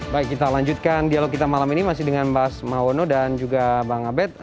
baik kita lanjutkan dialog kita malam ini masih dengan mas mawono dan juga bang abed